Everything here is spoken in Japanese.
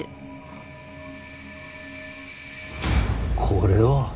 これは！